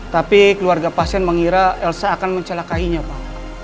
tapi keluarga pasien mengira elsa akan mencelakainya pak